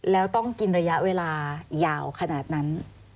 แล้วต้องกินระยะเวลายาวขนาดนั้น